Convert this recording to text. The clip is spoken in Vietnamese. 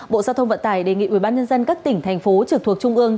bộ giao thông vận tải đề nghị ubnd các tỉnh thành phố trực thuộc trung ương